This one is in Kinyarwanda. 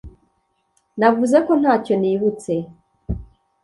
navuze ko ntacyo nibutse